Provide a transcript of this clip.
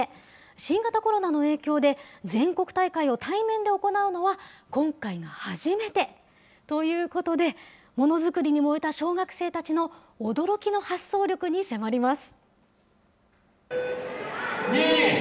新型コロナの影響で、全国大会を対面で行うのは今回が初めてということで、ものづくりに燃えた小学生たちの驚きの発想力に迫ります。